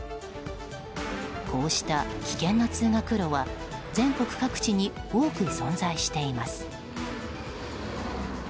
こうした危険な通学路は全国各地に多く存在しています。